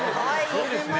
そうですね。